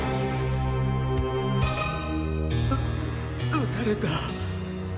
う撃たれた。